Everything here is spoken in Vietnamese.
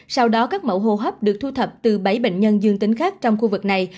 sau đó các mẫu hô hấp được thu thập từ bảy bệnh nhân dương tính khác trong khu vực này